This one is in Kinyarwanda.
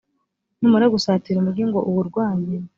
numara gusatira umugi ngo uwurwanye,